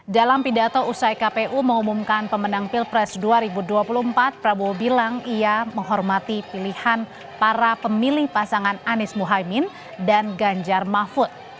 dalam pidato usai kpu mengumumkan pemenang pilpres dua ribu dua puluh empat prabowo bilang ia menghormati pilihan para pemilih pasangan anies muhaymin dan ganjar mahfud